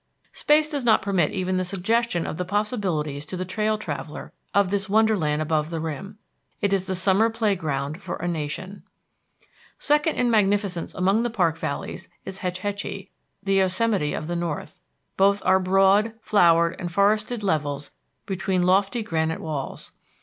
Space does not permit even the suggestion of the possibilities to the trail traveller of this wonderland above the rim. It is the summer playground for a nation. Second in magnificence among the park valleys is Hetch Hetchy, the Yosemite of the north. Both are broad, flowered and forested levels between lofty granite walls.